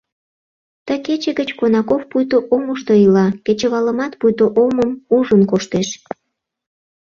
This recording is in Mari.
Ты кече гыч Конаков пуйто омышто ила, кечывалымат пуйто омым ужын коштеш.